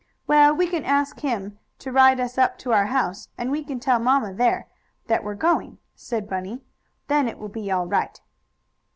"Well, we can ask him to ride us up to our house, and we can tell mamma, there, that we're going," said Bunny. "Then it will be all right."